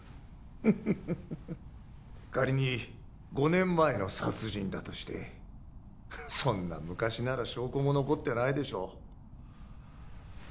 フッフフフフフフ仮に５年前の殺人だとしてそんな昔なら証拠も残ってないでしょう